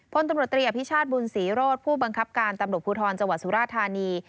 พลตำรวจตรีอภิชาติบุญศรีโรธผู้บังคับการตำรวจภูทรจังหวัดสุราธานี